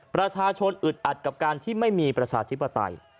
ประชาชนอึดอัดกับการที่ไม่มีประชาธิปไตย